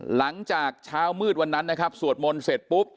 หลังจากเช้ามืดวันนั้นนะครับสวดมนต์เสร็จปุ๊บ